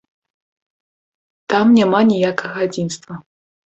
Там няма ніякага адзінства.